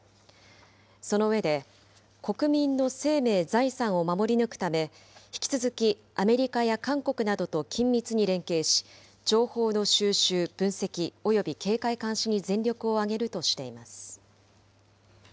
その上で、国民の生命・財産を守り抜くため、引き続きアメリカや韓国などと緊密に連携し、情報の収集・分析および警戒監視に全力を挙げるとしています。